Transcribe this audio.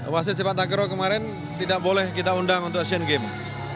wasit sepak takraw kemarin tidak boleh kita undang untuk asian games